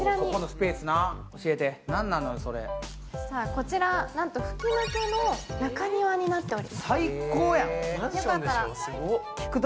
こちらはなんと吹き抜けの中庭になっております。